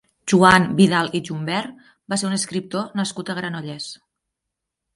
Joan Vidal i Jumbert va ser un escriptor nascut a Granollers.